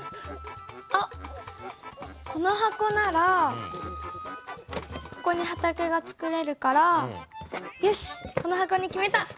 あっこの箱ならここに畑がつくれるからよしこの箱に決めた。